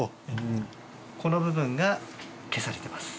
この部分が消されてます。